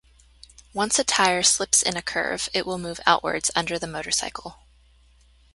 Once a tire slips in a curve, it will move outwards under the motorcycle.